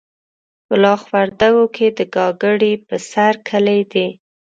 کلاخ وردګو کې د ګاګرې په سر کلی دی.